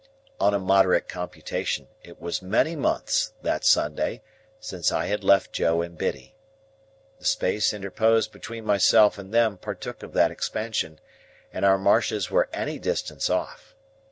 On a moderate computation, it was many months, that Sunday, since I had left Joe and Biddy. The space interposed between myself and them partook of that expansion, and our marshes were any distance off.